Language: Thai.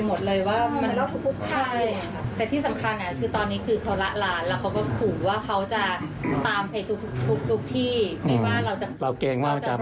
หมดเลยว่ามันที่สำคัญคือตอนนี้ตือจากแล้วเขาหัวว่าเขา